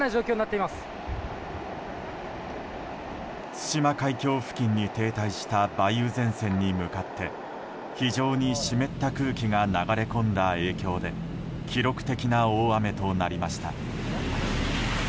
対馬海峡付近に停滞した梅雨前線に向かって非常に湿った空気が流れ込んだ影響で記録的な大雨となりました。